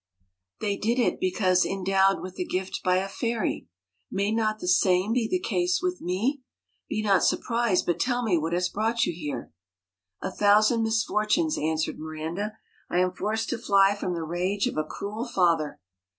They did it because 154 endowed with the gift by a fairy. May not the MIRANDA same be the case with me ? Be not surprised, but tell me what has brought you here.' * A thousand misfortunes,' answered Miranda. ' I am forced to fly from the rage of a cruel father.'